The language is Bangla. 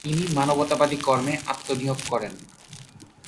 তিনি মানবতাবাদী কর্মে আত্মনিয়োগ করেন।